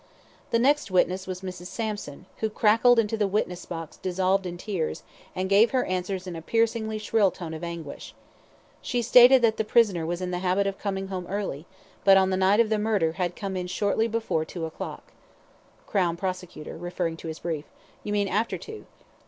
The next witness was Mrs. Sampson, who crackled into the witness box dissolved in tears, and gave her answers in a piercingly shrill tone of anguish. She stated that the prisoner was in the habit of coming home early, but on the night of the murder, had come in shortly before two o'clock. CROWN PROSECUTOR (referring to his brief): You mean after two.